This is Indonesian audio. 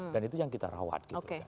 dan itu yang kita rawat gitu kan